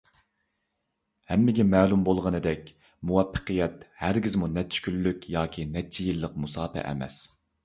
ھەممىگە مەلۇم بولغىنىدەك، مۇۋەپپەقىيەت ھەرگىزمۇ نەچچە كۈنلۈك ياكى نەچچە يىللىق مۇساپە ئەمەس.